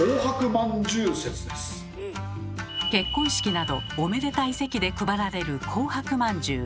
結婚式などおめでたい席で配られる紅白まんじゅう。